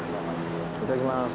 いただきます。